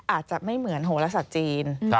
อาจจะไม่เหมือนโหลศาสตร์จีน